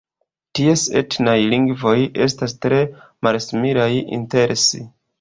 Ties etnaj lingvoj estas tre malsimilaj inter si.